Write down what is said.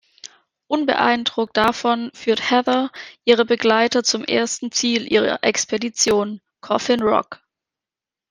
Unbeeindruckt davon führt Heather ihre Begleiter zum ersten Ziel ihrer Expedition: "Coffin Rock".